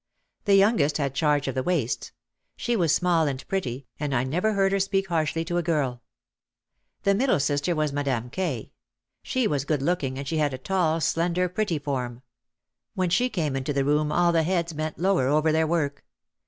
The youngest had charge of the waists. She was small and pretty and I never heard her speak harshly to a girl. The middle sister was Madame K. She was good looking and she had a tall, slender, pretty form. When she came 284 OUT OF THE SHADOW into the room all the heads bent lower over their work.